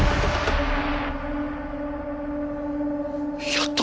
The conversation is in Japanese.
やった！